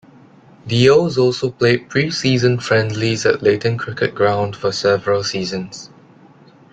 The O's also played pre-season friendlies at Leyton Cricket Ground for several seasons.